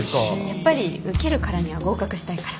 やっぱり受けるからには合格したいから。